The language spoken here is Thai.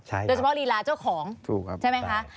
โดยเฉพาะรีลาเจ้าของใช่ไหมคะ